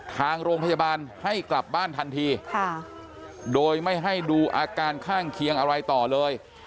ทางโรงพยาบาลให้กลับบ้านทันทีโดยไม่ให้ดูอาการข้างเคียงอะไรต่อเลย